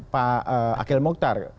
pak akhil mukhtar